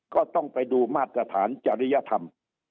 ก็ต้องไปดูมาตรฐานจริยธรรม